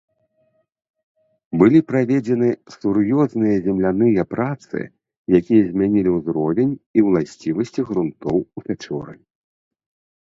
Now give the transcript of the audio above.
Былі праведзены сур'ёзныя земляныя працы, якія змянілі узровень і ўласцівасці грунтоў у пячоры.